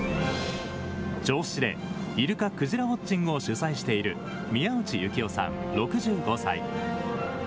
銚子でイルカ・クジラウォッチングを主催している宮内幸雄さん、６５歳。